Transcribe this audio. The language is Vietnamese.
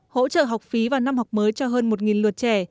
hỗ trợ học phí vào năm học mới cho hơn một lượt trẻ